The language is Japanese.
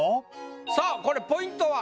さあこれポイントは？